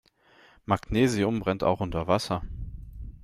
Magnesium brennt auch unter Wasser.